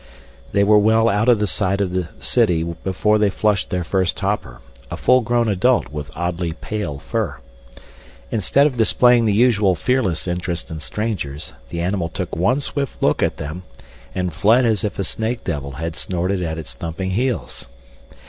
They were well out of the sight of the city before they flushed their first hopper, a full grown adult with oddly pale fur. Instead of displaying the usual fearless interest in strangers, the animal took one swift look at them and fled as if a snake devil had snorted at its thumping heels.